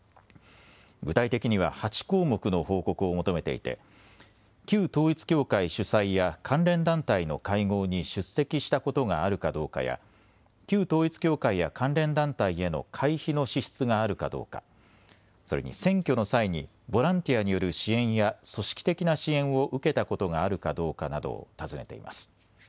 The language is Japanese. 具体的には８項目の報告を求めていて、旧統一教会主催や関連団体の会合に出席したことがあるかどうかや、旧統一教会や関連団体への会費の支出があるかどうか、それに選挙の際にボランティアによる支援や組織的な支援を受けたことがあるかどうかなどを尋ねています。